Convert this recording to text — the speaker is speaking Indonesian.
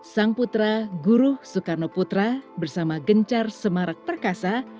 sang putra guru soekarno putra bersama gencar semarak perkasa